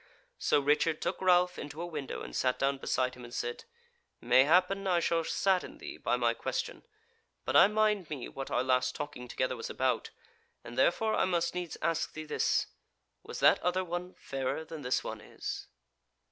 So Richard took Ralph into a window, and sat down beside him and said: "Mayhappen I shall sadden thee by my question, but I mind me what our last talking together was about, and therefore I must needs ask thee this, was that other one fairer than this one is?"